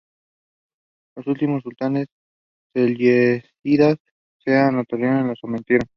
Los últimos sultanes selyúcidas de Anatolia se le sometieron.